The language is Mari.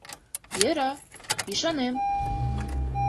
— Йӧра, ӱшанем.